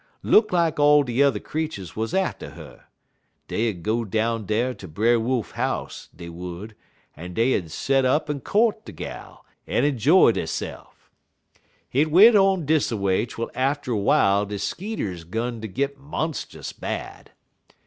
Look lak all de yuther creeturs wuz atter 'er. Dey 'ud go down dar ter Brer Wolf house, dey would, en dey 'ud set up en court de gal, en 'joy deyse'f. "Hit went on dis a way twel atter w'ile de skeeters 'gun ter git monst'us bad.